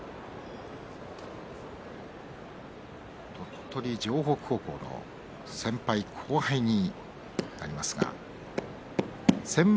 鳥取城北高校の先輩、後輩になりますが先場